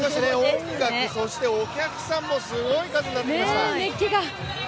音楽、そしてお客さんもすごい数になってきました。